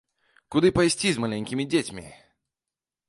Куды пайсці з маленькімі дзецьмі?